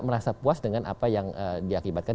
merasa puas dengan apa yang diakibatkan